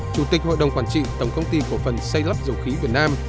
chủ tịch hội đồng quản trị tổng công ty cổ phần xây lắp dầu khí việt nam